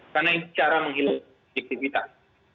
karena itu cara menghilang subjektivitas